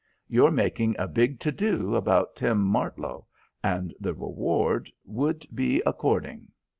You're making a big to do about Tim Martlow and the reward would be according.